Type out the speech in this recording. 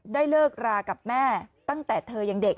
ได้เลิกรากับแม่ตั้งแต่เธอยังเด็ก